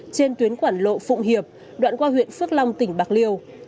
trên tuyến quảng lộ phụng hiệp đoạn qua huyện phước long tỉnh bạc liêu